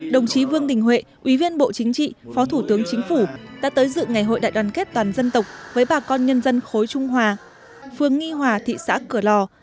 đồng chí vương đình huệ ủy viên bộ chính trị phó thủ tướng chính phủ đã tới dự ngày hội đại đoàn kết toàn dân tộc với bà con nhân dân khối trung hòa phương nghi hòa thị xã cửa lò